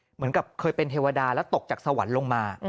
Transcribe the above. เหมือนกับเคยเป็นเทวดาแล้วตกจากสวรรค์ลงมา